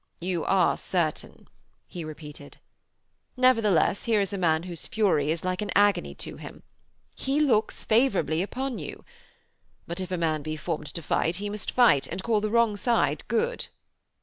'You are certain,' he repeated. 'Nevertheless, here is a man whose fury is like an agony to him. He looks favourably upon you. But, if a man be formed to fight he must fight, and call the wrong side good.'